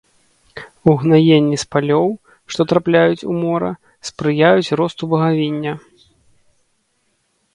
Угнаенні з палёў, што трапляюць у мора, спрыяюць росту багавіння.